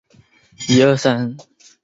滨海莫厄朗。